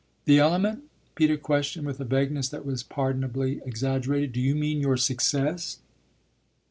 "The element ?" Peter questioned with a vagueness that was pardonably exaggerated. "Do you mean your success?"